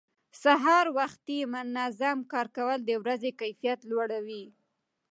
سهار وختي منظم کار کول د ورځې کیفیت لوړوي